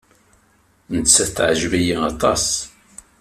Nettat teɛjeb-iyi aṭas.